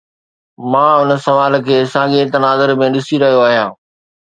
مان ان سوال کي ساڳئي تناظر ۾ ڏسي رهيو آهيان.